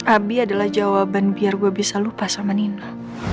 abi adalah jawaban biar gue bisa lupa sama nina